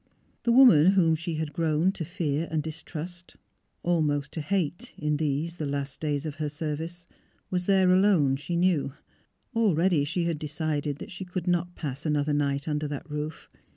The woman whom she had grown to fear and distrust — almost to hate, in '' UNTO US A SON IS BORN " 295 these, the last days of her service — was there alone, she knew. Already she had decided that she could not pass another night under that roof.